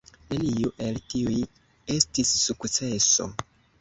Neniu el tiuj estis sukceso.